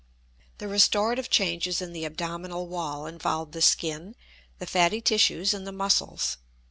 The restorative changes in the abdominal wall involve the skin, the fatty tissues, and the muscles.